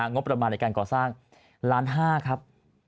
งบประมาณในการก่อสร้าง๑๕๐๐๐๐๐บาทครับ